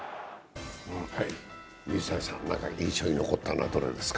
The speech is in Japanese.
水谷さん、印象に残ったのはどれですか？